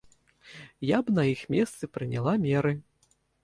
Я б на іх месцы прыняла меры.